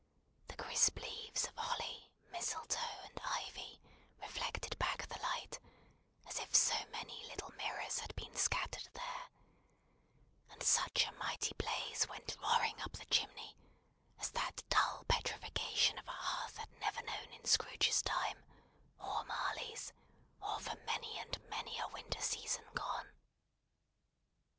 The crisp leaves of holly, mistletoe, and ivy reflected back the light, as if so many little mirrors had been scattered there; and such a mighty blaze went roaring up the chimney, as that dull petrification of a hearth had never known in Scrooge's time, or Marley's, or for many and many a winter season gone.